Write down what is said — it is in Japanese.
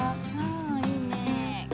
あいいね。